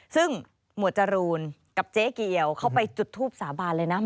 ซึ่งหมวดจรูนกับเจ๊เกียวเขาไปจุดทูปสาบานเลยนะ